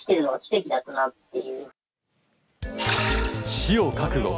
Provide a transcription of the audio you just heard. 死を覚悟。